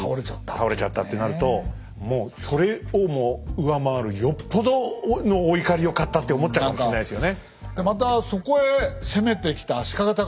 倒れちゃったってなるともうそれをも上回るよっぽどのお怒りを買ったって思っちゃうかもしんないですよね。